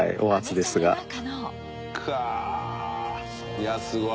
いやすごい。